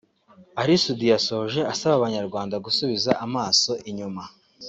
Ally Soudy yasoje asaba abanyarwanda gusubiza amaso inyuma